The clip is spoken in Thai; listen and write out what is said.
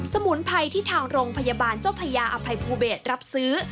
สมุนไพรที่ทางโรงพยาบาลเจ้าพญาอภัยภูเบศรับซื้อ